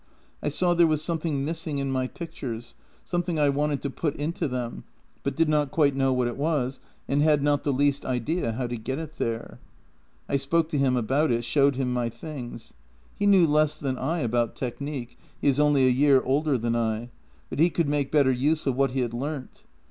I saw there was something missing in my pictures — something I wanted to put into them — but did not quite know what it was, and had not the least idea how to get it there. " I spoke to him about it, showed him my tilings. He knew less than I about technique — he is only a year older than I — but he could make better use of what he had learnt.